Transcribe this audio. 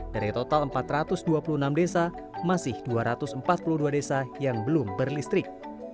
dari total empat ratus dua puluh enam desa masih dua ratus empat puluh dua desa yang belum berlistrik